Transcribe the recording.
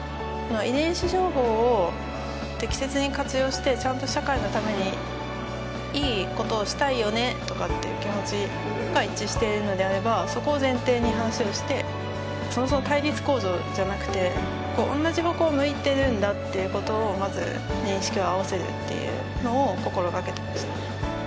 遺伝子情報を適切に活用してちゃんと社会のためにいいことをしたいよねとかって気持ちが一致しているのであればそこを前提に話をしてそもそも対立構造じゃなくて同じ方向を向いてるんだっていうことをまず認識を合わせるっていうのを心がけてましたね